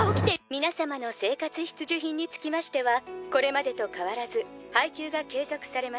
皆様の生活必需品につきましてはこれまでと変わらず配給が継続されます。